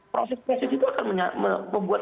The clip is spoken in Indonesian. proses proses itu akan membuat